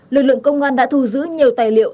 lực lượng công an đã thu giữ nhiều tài liệu